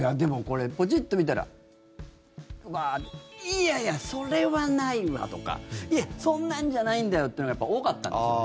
いやいや、それはないわとかそんなんじゃないんだよっていうのが多かったんですよ。